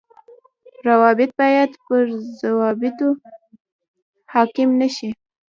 روابط باید پر ضوابطو حاڪم نشي